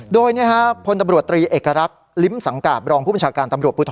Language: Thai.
โดยเนี้ยครับพลตำรวจตรีเอกรักษ์ลิ้มสังกราบรองผู้ประชาการตำรวจ